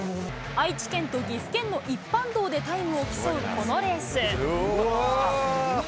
愛知県と岐阜県の一般道でタイムを競うこのレース。